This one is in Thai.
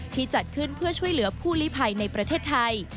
จัดขึ้นเพื่อช่วยเหลือผู้ลิภัยในประเทศไทย